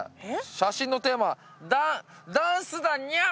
写真のテーマは「ダンスだニャン」。